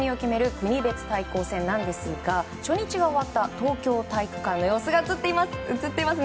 国別対抗戦ですが初日が終わった東京体育館の様子が映っています。